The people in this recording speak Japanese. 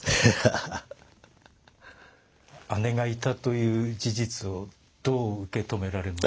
「姉がいた」という事実をどう受け止められました？